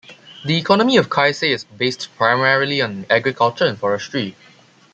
The economy of Kaisei is based primarily on agriculture and forestry.